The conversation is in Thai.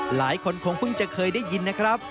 หลายคนคงเพิ่งจะเคยได้ยินนะครับ